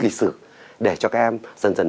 lịch sử để cho các em dần dần